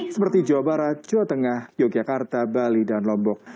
seperti jawa barat jawa tengah yogyakarta bali dan lombok